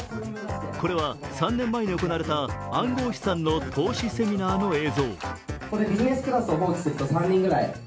これは３年前に行われた暗号資産の投資セミナーの映像。